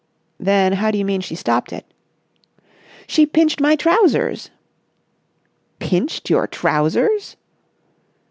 "Then how do you mean she stopped it?" "She pinched my trousers!" "Pinched your trousers!"